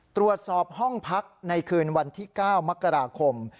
ตรวจสอบห้องพักในคืนวันที่๙มกราคม